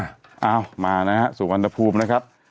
อ้าวมานะครับสุวรรณภูมินะครับ